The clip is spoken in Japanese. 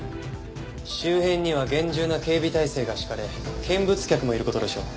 周辺には厳重な警備態勢が敷かれ見物客もいる事でしょう。